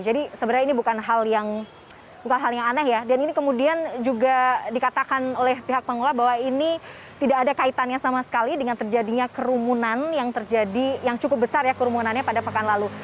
jadi sebenarnya ini bukan hal yang aneh ya dan ini kemudian juga dikatakan oleh pihak pengelola bahwa ini tidak ada kaitannya sama sekali dengan terjadinya kerumunan yang cukup besar ya kerumunannya pada pekan lalu